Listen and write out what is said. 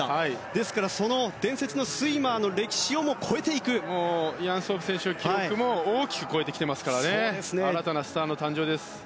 ですから伝説のスイマーの歴史をもイアン・ソープの記録も大きく超えてきてますから新たなスターの誕生です。